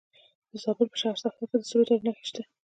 د زابل په شهر صفا کې د سرو زرو نښې شته.